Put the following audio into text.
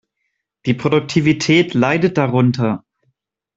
Die Produktivität leidet darunter.